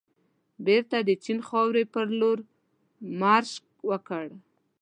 بېرته د چین خاورې پرلور مارش وکړ.